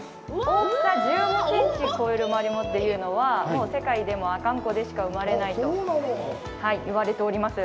大きさ１５センチ超えるマリモっていうのは世界でも阿寒湖でしか生まれないと言われております。